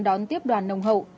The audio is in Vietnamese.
đón tiếp đoàn nồng hậu